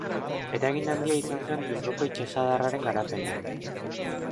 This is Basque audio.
Eragin handia izan zuen Bilboko itsasadarraren garapenean.